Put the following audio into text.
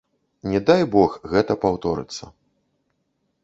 Не дай бог гэта паўторыцца.